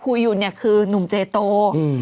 ขออีกทีอ่านอีกที